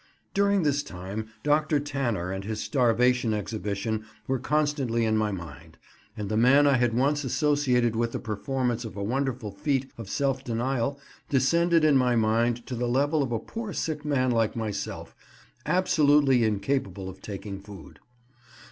During this time Dr. Tanner and his starvation exhibition were constantly in my mind, and the man I had once associated with the performance of a wonderful feat of self denial descended in my mind to the level of a poor sick man like myself, absolutely incapable of taking food.